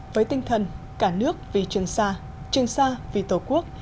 với tinh thần cả nước vì trường sa trường sa vì tổ quốc